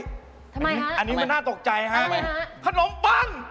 ทำไมฮะอันนี้มันน่าตกใจฮะขนมปังขนมปัง